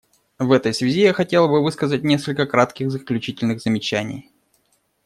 В этой связи я хотела бы высказать несколько кратких заключительных замечаний.